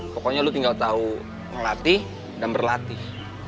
pokoknya lu tinggal tahu ngelatih dan berlatih